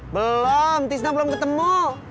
belum tisna belum ketemu